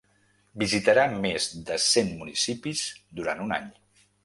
Visitarà més de cent municipis durant un any.